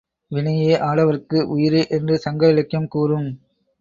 வினையே ஆடவர்க்கு உயிரே! என்று சங்க இலக்கியம் கூறும்.